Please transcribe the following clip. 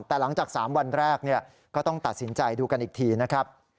แต่หลังจาก๓วันแรกก็ต้องตัดสินใจดูกันอีกทีนะครับ